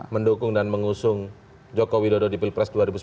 mendukung dan mengusung joko widodo di pilpres dua ribu sembilan belas